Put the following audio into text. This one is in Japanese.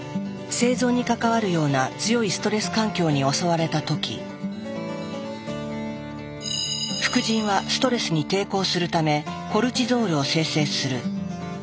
生存に関わるような強いストレス環境に襲われた時副腎はストレスに抵抗するためコルチゾールを生成する。